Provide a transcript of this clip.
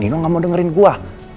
nino gak mau dengerin gue